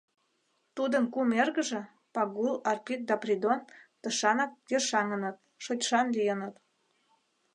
Тудын кум эргыже — Пагул, Арпик да Придон — тышанак ешаҥыныт, шочшан лийыныт.